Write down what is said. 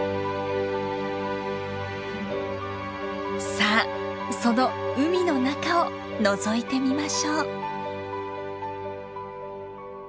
さあその海の中をのぞいてみましょう。